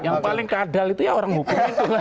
yang paling keadal itu ya orang hukum